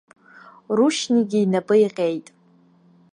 Рушьнигьы инапы иҟьеит.